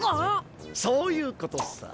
そういうことさ！